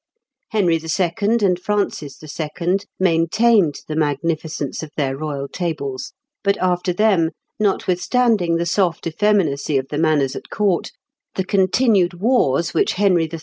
Henry II. and Francis II. maintained the magnificence of their royal tables; but after them, notwithstanding the soft effeminacy of the manners at court, the continued wars which Henry III.